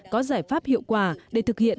có giải pháp hiệu quả để thực hiện